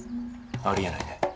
ありえないね。